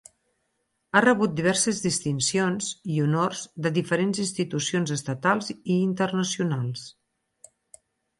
Ha rebut diverses distincions i honors de diferents institucions estatals i internacionals.